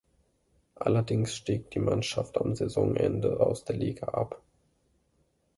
Allerdings stieg die Mannschaft am Saisonende aus der Liga ab.